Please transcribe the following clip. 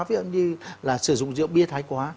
ví dụ như là sử dụng rượu bia thái quá